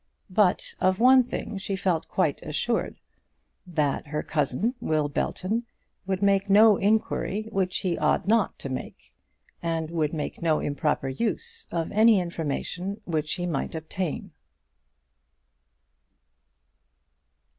But of one thing she felt quite assured, that her cousin, Will Belton, would make no inquiry which he ought not to make; and would make no improper use of any information which he might obtain.